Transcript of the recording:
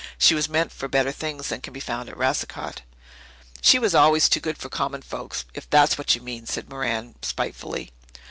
"She was meant for better things than can be found at Racicot." "She was always too good for common folks, if that is what you mean," said Merran spitefully.